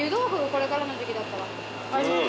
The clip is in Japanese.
これからの時期だったら合います。